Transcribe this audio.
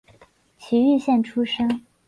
崎玉县出身。